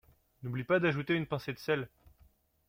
N'oublie pas d'ajouter une pincée de sel!